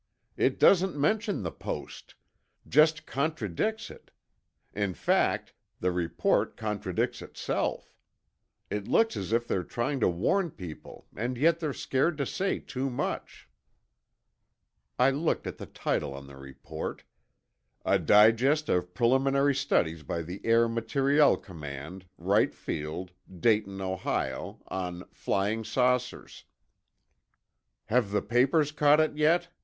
"It doesn't mention the Post—just contradicts it. In fact, the report contradicts itself. It looks as if they're trying to warn people and yet they're scared to say too much." I looked at the title on the report: "A Digest of Preliminary Studies by the Air Materiel Command, Wright Field, Dayton, Ohio, on 'Flying Saucers.'" "Have the papers caught it yet?"